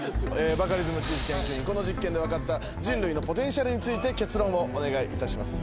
バカリズムチーフ研究員この実験で分かった人類のポテンシャルについて結論をお願いいたします。